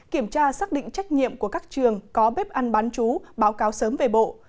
kiểm tra xác định trách nhiệm của các trường có bếp ăn bán chú báo cáo sớm về bộ